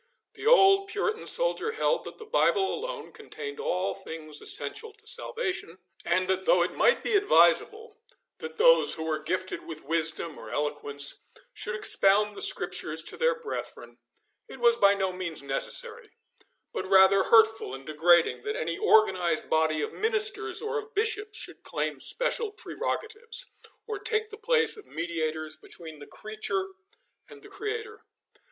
The old Puritan soldier held that the bible alone contained all things essential to salvation, and that though it might be advisable that those who were gifted with wisdom or eloquence should expound the Scriptures to their brethren, it was by no means necessary, but rather hurtful and degrading, that any organised body of ministers or of bishops should claim special prerogatives, or take the place of mediators between the creature and the Creator.